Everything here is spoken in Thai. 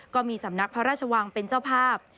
ก็มีสำนักพระราชวังเป็นเจ้าภาพ